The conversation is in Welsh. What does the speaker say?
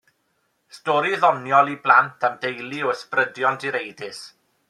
Stori ddoniol i blant am deulu o ysbrydion direidus.